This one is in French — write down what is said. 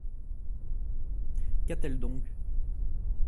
Qu'a-t-elle donc ?